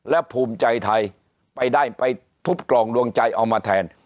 และภูมิใจไทยไปได้ไปทุบกล่องดวงใจเอามาแทน